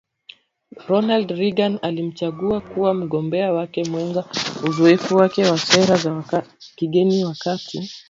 Ronald Reagan alimchagua kuwa mgombea wake mwenza Uzoefu wake wa sera za kigeni wakati